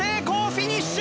フィニッシュ！